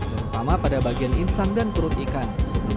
terutama pada bagian insang dan perut ikan